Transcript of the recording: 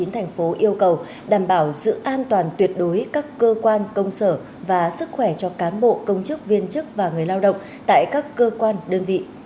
thành phố yêu cầu đảm bảo sự an toàn tuyệt đối các cơ quan công sở và sức khỏe cho cán bộ công chức viên chức và người lao động tại các cơ quan đơn vị